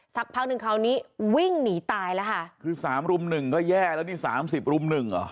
สักพักหนึ่งคราวนี้วิ่งหนีตายแล้วค่ะคือสามรุ่มหนึ่งก็แย่แล้วนี่สามสิบรุ่มหนึ่งเหรอ